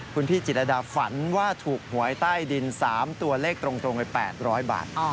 คุณพี่จิตรดาฝันว่าถูกหวยใต้ดิน๓ตัวเลขตรงไป๘๐๐บาท